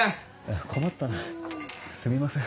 困ったなすみません。